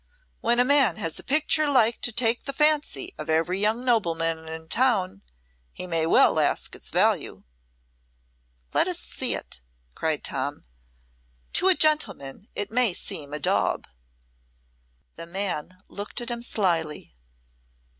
When a man has a picture like to take the fancy of every young nobleman in town, he may well ask its value." "Let us see it," cried Tom. "To a gentleman it may seem a daub." The man looked at him slyly.